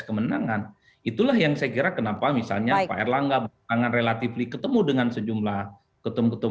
kemenangan itulah yang saya kira kenapa misalnya pak erlangga belakangan relatif ketemu dengan sejumlah ketum ketum